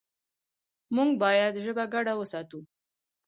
موږ باید ژبه ګډه وساتو.